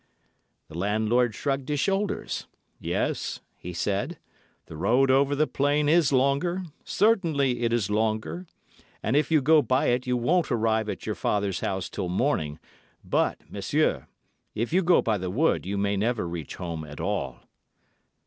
"The landlord shrugged his shoulders. 'Yes,' he said, 'the road over the plain is longer—certainly it is longer—and if you go by it you won't arrive at your father's house till morning, but, monsieur, if you go by the wood you may never reach home at all.